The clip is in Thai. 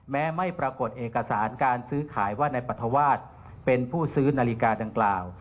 ไม่ปรากฏเอกสารการซื้อขายว่านายปรัฐวาสเป็นผู้ซื้อนาฬิกาดังกล่าว